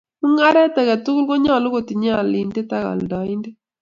Mung'aret age tugul konyolu kotinye alindet ak aldaindet